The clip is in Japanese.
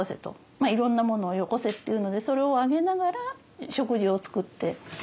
まあいろんなものをよこせっていうのでそれをあげながら食事を作って。